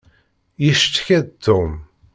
Yecetka-d Tom.